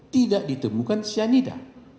tidak ditemukan cyanida